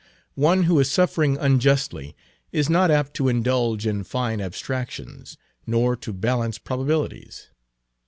One who is suffering unjustly is not apt to indulge in fine abstractions, nor to balance probabilities.